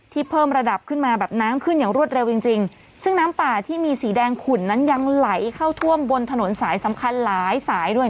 เพิ่มระดับขึ้นมาแบบน้ำขึ้นอย่างรวดเร็วจริงจริงซึ่งน้ำป่าที่มีสีแดงขุ่นนั้นยังไหลเข้าท่วมบนถนนสายสำคัญหลายสายด้วย